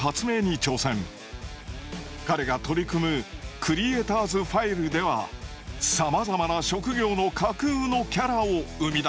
彼が取り組むクリエイターズ・ファイルではさまざまな職業の架空のキャラを生み出している。